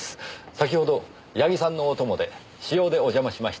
先ほど矢木さんのお供で私用でお邪魔しました。